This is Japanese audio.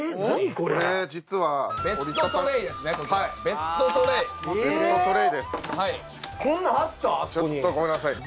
これ実はベッドトレイですね